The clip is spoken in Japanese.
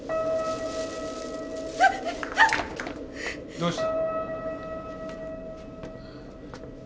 どうした？